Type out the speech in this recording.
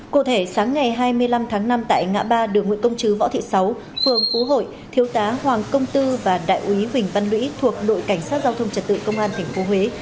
cụ thể sáng ngày hai mươi năm tháng năm tại ngã ba đường nguyễn công chứ võ thị sáu phường phú hội thiếu tá hoàng công tư và đại úy huỳnh văn lũy thuộc đội cảnh sát giao thông trật tự công an tp huế